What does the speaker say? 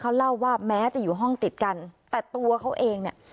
เขาเล่าว่าแม้จะอยู่ห้องติดกันแต่ตัวเขาเองเนี่ย